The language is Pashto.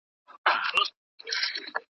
ښوونکي باید وخت ته پابند وي.